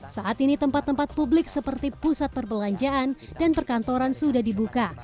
saat ini tempat tempat publik seperti pusat perbelanjaan dan perkantoran sudah dibuka